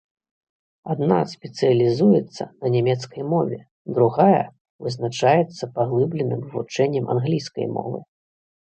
Адна спецыялізуецца на нямецкай мове, другая вызначаецца паглыбленым вывучэннем англійскай мовы.